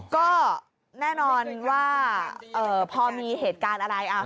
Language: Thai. ก็แน่นอนว่าพอมีเหตุการณ์อะไร